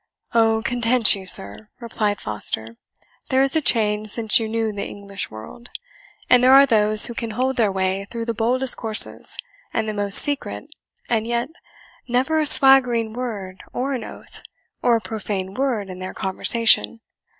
"Oh, content you, sir," replied Foster, "there is a change since you knew the English world; and there are those who can hold their way through the boldest courses, and the most secret, and yet never a swaggering word, or an oath, or a profane word in their conversation."